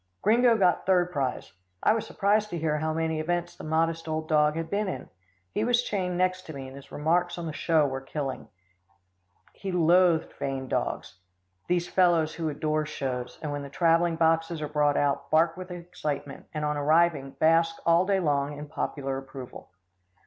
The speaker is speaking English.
Gringo got third prize. I was surprised to hear how many events the modest old dog had been in. He was chained next to me, and his remarks on the show were killing. He loathed vain dogs these fellows who adore shows, and when the travelling boxes are brought out, bark with excitement, and on arriving, bask all day long in popular approval.